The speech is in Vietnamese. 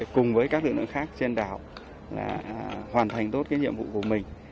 cùng với các lực lượng khác trên đảo hoàn thành tốt nhiệm vụ của mình